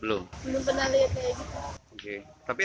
belum pernah lihat kayak gitu